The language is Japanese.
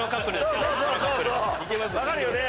分かるよね。